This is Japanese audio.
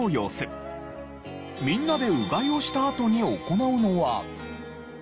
みんなでうがいをしたあとに行うのは。